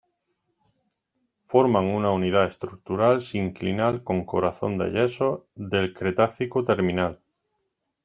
Forman una unidad estructural sinclinal con corazón de yesos del Cretácico terminal.